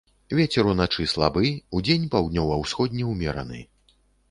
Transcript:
Вецер уначы слабы, удзень паўднёва-ўсходні ўмераны.